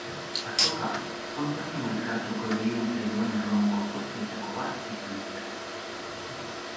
Azoka, ondasun elkartruke gehien zegoen Erromako tokietako bat izan zen.